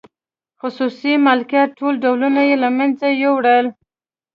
خصوصي مالکیت ټول ډولونه یې له منځه یووړل.